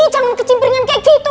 jangan kecimbringan kayak gitu